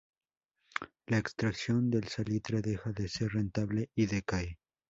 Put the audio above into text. La extracción del salitre deja de ser rentable y decae.